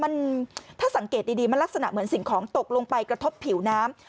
มันถ้าสังเกตดีมันลักษณะเหมือนสิ่งของตกลงไปกระทบผิวน้ำ